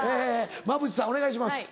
馬淵さんお願いします。